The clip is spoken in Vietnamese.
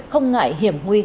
không ngại hiểm nguy